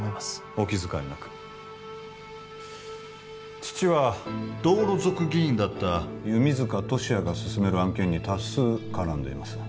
お気遣いなく父は道路族議員だった弓塚敏也が進める案件に多数絡んでいます